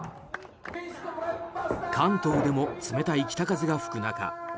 関東でも冷たい北風が吹く中